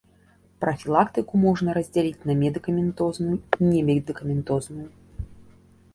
Прафілактыку можна раздзяліць на медыкаментозную і немедыкаментозную.